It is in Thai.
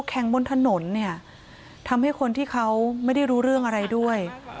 แข่งบนถนนเนี่ยทำให้คนที่เขาไม่ได้รู้เรื่องอะไรด้วย